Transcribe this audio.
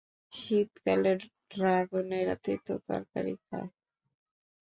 শীতকালে ড্রাগনেরা তেঁতো তরকারি খায়!